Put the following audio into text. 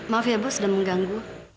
maaf ya bu sudah mengganggu